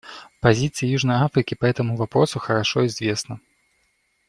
Позиция Южной Африки по этому вопросу хорошо известна.